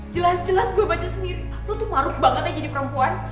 jelas jelas gue baca sendiri lo tuh maruh banget aja di perempuan